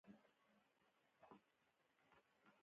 • شتمن سړی باید زړه سوی ولري.